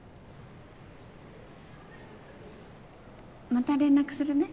また連絡するね。